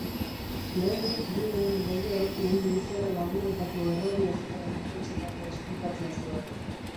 Lehenik, Wienen legeak uhin-luzera laburretako erradiazioaren intentsitatea esplikatzen zuen.